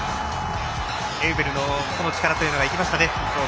エウベルの力というのが生きましたね。